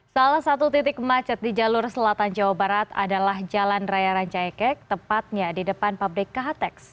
salah satu titik macet di jalur selatan jawa barat adalah jalan raya rancaikek tepatnya di depan pabrik khtex